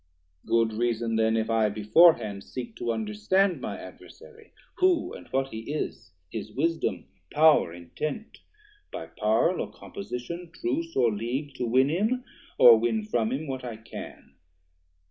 Good reason then, if I before hand seek To understand my Adversary, who And what he is; his wisdom, power, intent, By parl, or composition, truce, or league To win him, or win from him what I can.